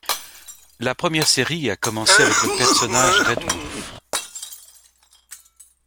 La première série a commencé avec le personnage Red Wolf.